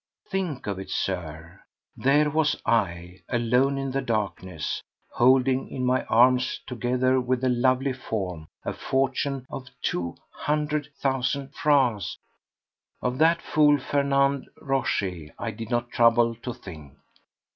Think of it, Sir! There was I, alone in the darkness, holding in my arms, together with a lovely form, a fortune of two hundred thousand francs! Of that fool Fernand Rochez I did not trouble to think.